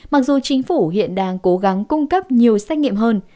mặc dù chính phủ hiện đang cố gắng cung cấp nhiều xét nghiệm hơn